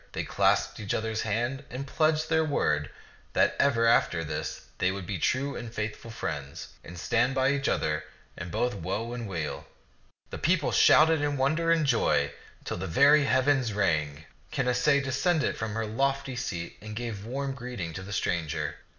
They clasped each other's hand and pledged their word that ever after this they would be true and faithful friends, and stand by each other in both woe and weal. The people shouted in wonder and in joy till the very heavens rang. Canacee descended from her lofty ti}t ^c\mx^'0 tak i«i seat and gave warm greeting to the stranger.